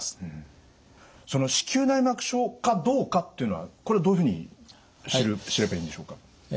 その子宮内膜症かどうかっていうのはこれどういうふうに知ればいいんでしょうか？